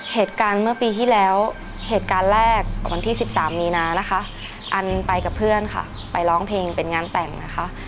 เหตุการณ์เมื่อปีที่แล้วเหตุการณ์แรกวันที่๑๓มีนานะคะอันไปกับเพื่อนค่ะไปร้องเพลงเป็นงานแต่งนะคะ